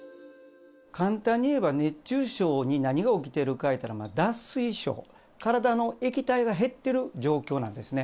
簡単に言えば、熱中症に何が起きてるかいうたら、脱水症、体の液体が減ってる状況なんですね。